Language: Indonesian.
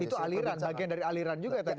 itu aliran bagian dari aliran juga tadi